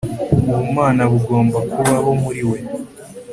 ubumana bugomba kubaho muri we